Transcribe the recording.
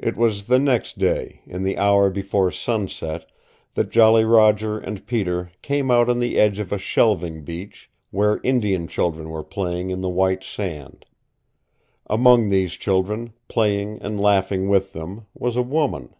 It was the next day, in the hour before sunset, that Jolly Roger and Peter came out on the edge of a shelving beach where Indian children were playing in the white sand. Among these children, playing and laughing with them, was a woman.